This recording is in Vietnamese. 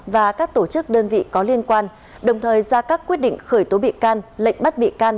và các tổ chức đơn vị có liên quan đồng thời ra các quyết định khởi tố bị can lệnh bắt bị can